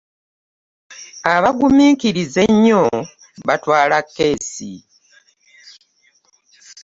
Abaguminkiriza ennyo batwala keesi .